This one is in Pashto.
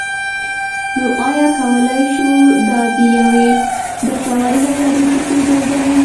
نو ایا کولی شو دا د یوې ګټورې نظریې په توګه وګڼو.